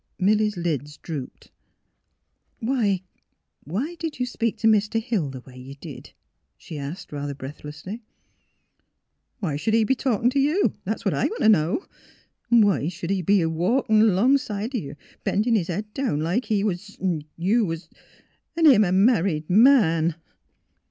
Milly 's lids drooped. '' Why did you — speak to Mr. Hill the way you did? " she asked, rather breathlessly. " Why sh'd he be talkin' t' you? That's what I want t' know. An' why sh'd he be a walkin' long side o' you, bendin' his head down like he was — like you was — an' him a married man?